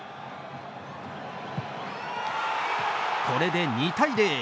これで２対０。